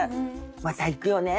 また行くよね